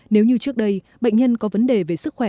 nếu như trước đây bệnh nhân có vấn đề về sức khỏe